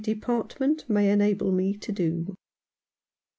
Department may enable me to do."